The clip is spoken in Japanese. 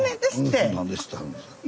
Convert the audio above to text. この人何で知ってはるんですか？